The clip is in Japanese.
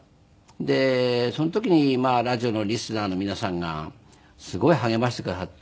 でその時にラジオのリスナーの皆さんがすごい励ましてくださって。